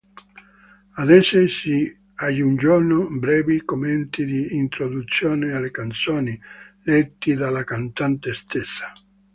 Ad esse si aggiungono brevi commenti di introduzione alle canzoni, letti dalla cantante stessa.